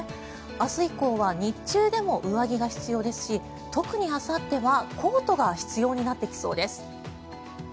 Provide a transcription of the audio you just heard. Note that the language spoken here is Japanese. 明日以降は日中でも上着が必要ですし特にあさっては、コートが必要になってきそうです。